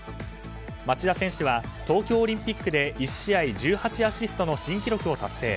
町田選手は東京オリンピックで１試合１８アシストの新記録を達成。